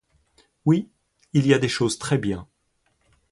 Oui, il y a des choses très bien.